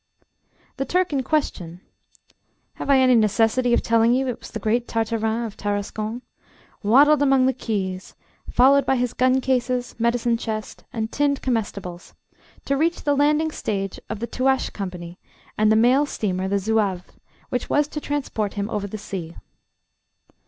The Turk in question have I any necessity of telling you it was the great Tartarin of Tarascon? waddled along the quays, followed by his gun cases, medicine chest, and tinned comestibles, to reach the landing stage of the Touache Company and the mail steamer the Zouave, which was to transport him over the sea.